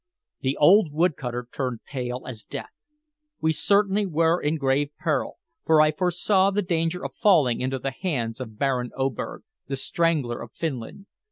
The old wood cutter turned pale as death. We certainly were in grave peril, for I foresaw the danger of falling into the hands of Baron Oberg, the Strangler of Finland.